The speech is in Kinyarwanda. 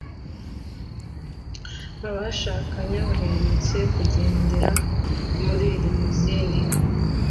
Abashakanye baherutse kugendera muri limousine